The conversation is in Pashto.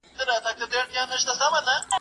ما د سباوون په تمه تور وېښته سپین کړي دي.